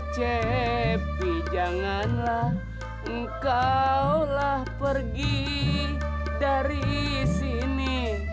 cepi kenapa tidur di sini